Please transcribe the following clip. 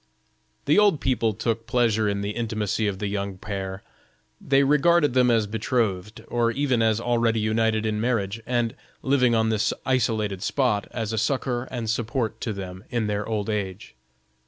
The old people took pleasure in the intimacy of the young pair; they regarded them as betrothed, or even as already united in marriage, and living on this isolated spot, as a succor and support to them in their old age.